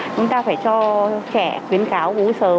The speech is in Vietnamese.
chúng ta phải cho trẻ khuyến cáo uống sớm